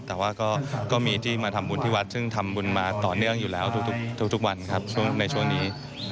แต่ว่าก็มีที่มาทำบุญที่วัดซึ่งทำบุญมาต่อเนื่องอยู่แล้วทุกวันครับในช่วงนี้